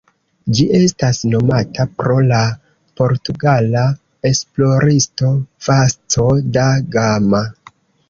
Ĝi estas nomata pro la portugala esploristo Vasco da Gama.